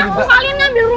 ini mas anto yang di sini